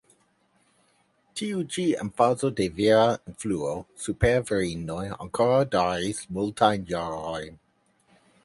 Tiu ĉi emfazo de vira influo super virinoj ankoraŭ daŭris multajn jarojn.